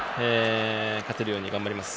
勝てるように頑張ります。